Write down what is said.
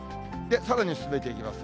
さらに進めていきます。